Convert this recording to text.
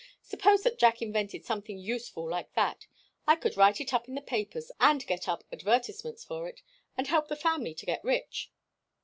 Suppose that Jack invented something useful like that, I could write it up in the papers, and get up advertisements for it, and help the family to get rich."